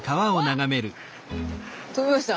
飛びました。